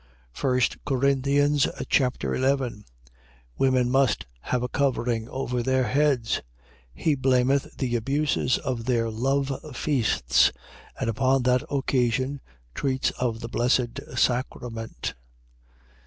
1 Corinthians Chapter 11 Women must have a covering over their heads. He blameth the abuses of their love feasts and upon that occasion treats of the Blessed Sacrament.